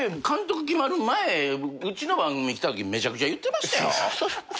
監督決まる前うちの番組来たときめちゃくちゃ言ってましたよ。